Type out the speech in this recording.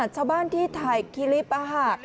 ชาวบ้านที่ถ่ายคลิปอ่ะฮะ